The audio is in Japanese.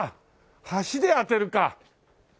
橋で当てるか。